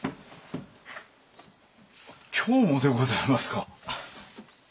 今日もでございますか？